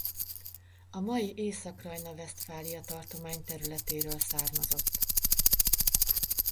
A mai Észak-Rajna-Vesztfália tartomány területéről származott.